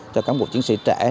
cho cán bộ chiến sĩ trẻ